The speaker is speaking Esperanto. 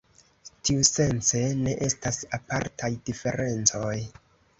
Tiusence, ne estas apartaj diferencoj.